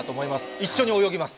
一緒に泳ぎます。